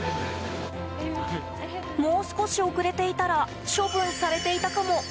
もう少し遅れていたら処分されていたかも。